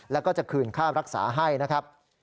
แล้วก็จะคืนค่ารักษาให้นะครับ